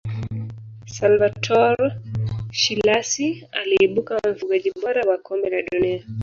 salvatore schillaci aliibuka mfungaji bora wa kombe la dunia